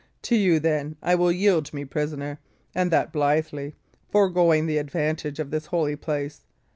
To you, then, I will yield me prisoner, and that blithely, foregoing the advantage of this holy place.